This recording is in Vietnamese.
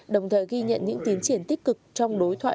đồng thời ghi nhận những tiến triển tích cực trong đối thoại